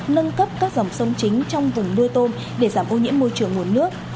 nâng cấp các dòng sông chính trong vùng nuôi tôm để giảm ô nhiễm môi trường nguồn nước